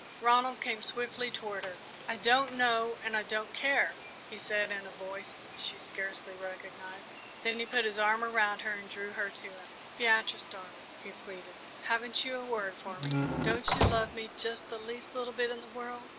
Ronald came swiftly toward her. "I don't know and I don't care," he said, in a voice she scarcely recognised; then he put his arm around her and drew her to him. "Beatrice, darling," he pleaded, "haven't you a word for me don't you love me just the least little bit in the world?"